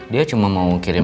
dia cuma mau kirim